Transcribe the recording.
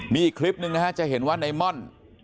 มีอีกคลิปหนึ่งนะฮะจะเห็นว่าในม่อน